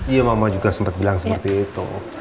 iya mama juga sempat bilang seperti itu